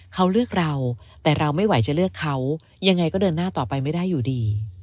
เขาเลือกเราแต่เราไม่ไหวจะเลือกเขายังไงก็เดินหน้าต่อไปไม่ได้อยู่ดี